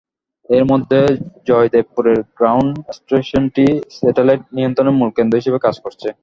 এর মধ্যে জয়দেবপুরের ground স্টেশনটিই satellite নিয়ন্ত্রণের মূল কেন্দ্র হিসেবে কাজ করছে।